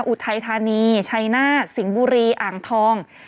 อุทัยธานีชัยนาฏสิงห์บุรีอ่างทอง